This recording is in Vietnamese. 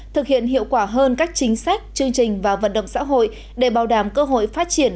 thực hiện hiệu quả hơn các chính sách chương trình và vận động xã hội để bảo đảm cơ hội phát triển